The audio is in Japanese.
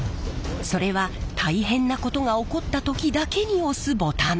それは大変なことが起こった時だけに押すボタン。